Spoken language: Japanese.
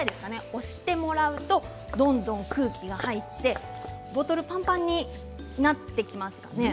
押してもらうとどんどん空気が入ってボトルがパンパンになっていきます。